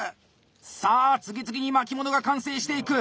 さあ次々に巻物が完成していく。